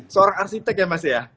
seorang arsitek ya mas ya